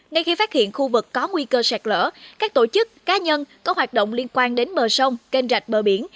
ngay khi phát hiện khu vực có nguy cơ sạt lỡ các tổ chức cá nhân có hoạt động liên quan đến bờ sông kênh rạch bờ biển